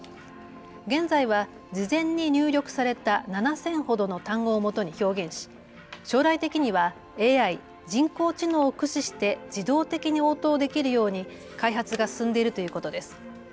現在は事前に入力された７０００ほどの単語をもとに表現し将来的にはＡＩ・人工知能を駆使して自動的に応答できるように開発が進んでいるということです。